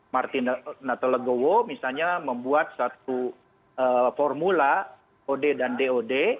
martin nato legowo misalnya membuat satu formula od dan dod